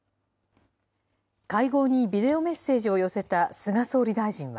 会合にビデオメッセージを寄せた菅総理大臣は。